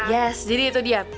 yes jadi itu dia